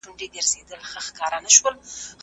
تاسو د سياست پوهني آرونه ومنئ.